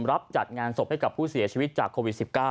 จัดงานศพให้กับผู้เสียชีวิตจากโควิด๑๙